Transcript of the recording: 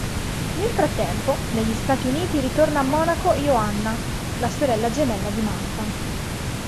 Nel frattempo, dagli Stati Uniti ritorna a Monaco Johanna, la sorella gemella di Marta.